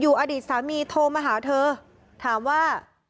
อดีตสามีโทรมาหาเธอถามว่า